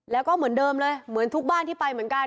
แล้วก็เหมือนเดิมเลยเหมือนทุกบ้านที่ไปเหมือนกัน